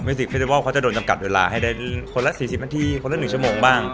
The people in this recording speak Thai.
ไม่ได้ว่าเขาจะโดนจำกัดเวลาให้ได้คนละ๔๐นาทีคนละ๑ชั่วโมงบ้าง